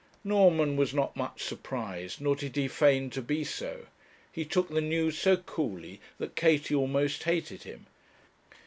Norman was not much surprised, nor did he feign to be so. He took the news so coolly that Katie almost hated him.